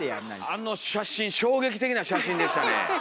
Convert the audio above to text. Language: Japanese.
あの写真衝撃的な写真でしたね。